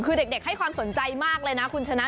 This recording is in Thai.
คือเด็กให้ความสนใจมากเลยนะคุณชนะ